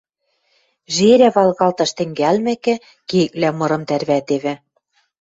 Жерӓ валгалташ тӹнгӓлмӹкӹ, кеквлӓ мырым тӓрвӓтевӹ.